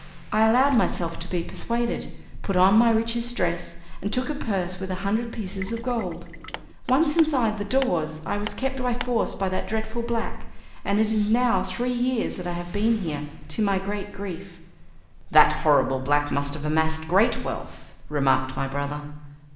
I allowed myself to be persuaded, put on my richest dress, and took a purse with a hundred pieces of gold. Once inside the doors I was kept by force by that dreadful black, and it is now three years that I have been here, to my great grief." "That horrible black must have amassed great wealth," remarked my brother.